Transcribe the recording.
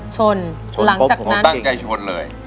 ชนหลังจากนั้นตั้งใจชนเลย